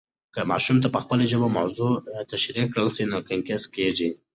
که ماشوم ته په خپله ژبه موضوع تشریح کړل سي، نه ګنګس کېږي.